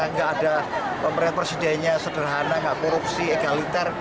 nggak ada pemerintah pemerintah sederhana nggak korupsi egalitar